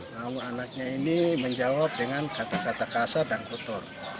namun anaknya ini menjawab dengan kata kata kasar dan kotor